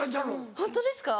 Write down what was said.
ホントですか？